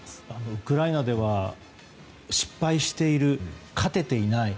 ウクライナでは失敗している、勝てていない。